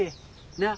なあ。